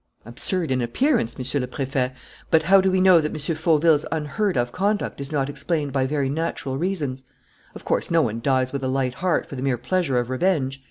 "Absurd in appearance, Monsieur le Préfet; but how do we know that M. Fauville's unheard of conduct is not explained by very natural reasons? Of course, no one dies with a light heart for the mere pleasure of revenge.